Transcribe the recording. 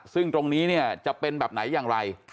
ซึ่งตรงนี้เนี่ยจะเป็นแบบไหนอย่างไร